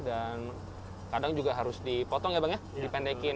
dan kadang juga harus dipotong ya bang ya dipendekin